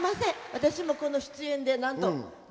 私もこの出演でなんと１９回。